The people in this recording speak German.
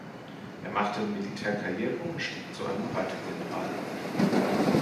Er machte im Militär Karriere und stieg zu einem Reitergeneral auf.